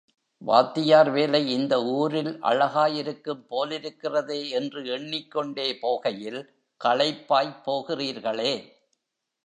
வாத்தியார் வேலை இந்த ஊரில் அழகாயிருக்கும் போலிருக்கிறதே என்று எண்ணிக்கொண்டே போகையில், களைப்பாய்ப் போகிறீர்களே?